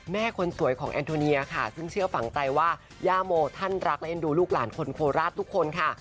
คนสวยของแอนโทเนียค่ะซึ่งเชื่อฝังใจว่าย่าโมท่านรักและเอ็นดูลูกหลานคนโคราชทุกคนค่ะ